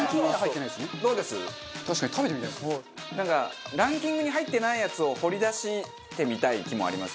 なんかランキングに入ってないやつを掘り出してみたい気もありますよね。